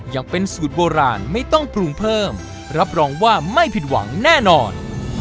ยังเป็นสูตรโบราณไม่ต้องปรุงเพิ่มรับรองว่าไม่ผิดหวังแน่นอน